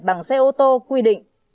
bằng xe ô tô quy định